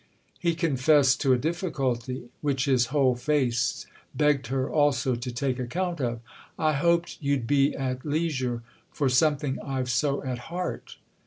He confessed to a difficulty—which his whole face begged her also to take account of. "I hoped you'd be at leisure—for something I've so at heart!"